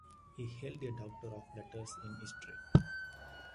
He held a Doctor of Letters in history.